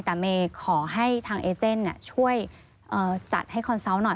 แต่เมย์ขอให้ทางเอเจนช่วยจัดให้คอนเซาต์หน่อย